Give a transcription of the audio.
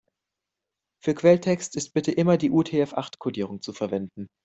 Für Quelltext ist bitte immer die UTF-acht-Kodierung zu verwenden.